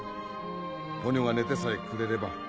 ポニョが寝てさえくれれば。